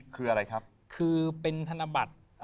หลายพันบาท